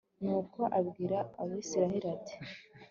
nuko abwira abayisraheli, ati